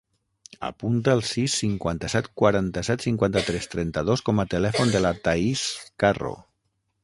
Apunta el sis, cinquanta-set, quaranta-set, cinquanta-tres, trenta-dos com a telèfon de la Thaís Carro.